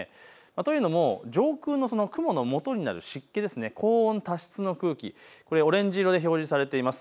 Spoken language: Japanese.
というのも上空の雲のもとになる湿気、高温多湿の空気、オレンジ色で表示されています。